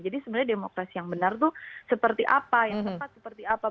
jadi sebenarnya demokrasi yang benar tuh seperti apa yang tepat seperti apa